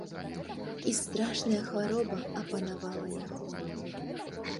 І страшная хвароба апанавала яго.